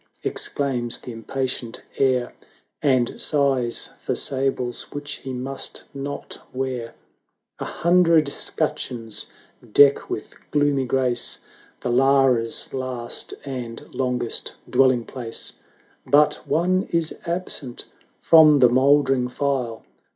exclaims the im patient heir, And sighs for sables which he must not wear. A hundred scutcheons deck with gloomy grace The Laras' last and longest dwelUng place; 40 But one is absent from the mouldering file.